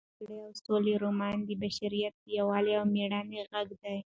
د جګړې او سولې رومان د بشریت د یووالي او مېړانې غږ دی.